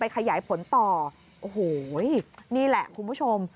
ขยายผลต่อโอ้โหนี่แหละคุณผู้ชม